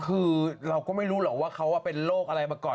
คือเราก็ไม่รู้หรอกว่าเขาเป็นโรคอะไรมาก่อน